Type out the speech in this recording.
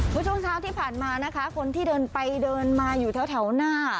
ผู้ชมชาวที่ผ่านมานะคะคนที่เดินไปเดินมาอยู่แถวแถวหน้า